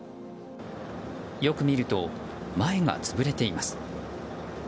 よく見ると、前が潰れています。